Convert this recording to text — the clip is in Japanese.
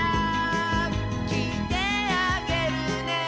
「きいてあげるね」